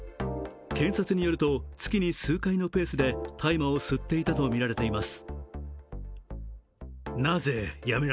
検察によると、月に数回のペースで大麻を吸っていたとみられています。